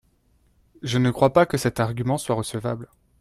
Je ne crois pas que cet argument soit recevable.